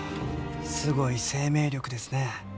すごい生命力ですね。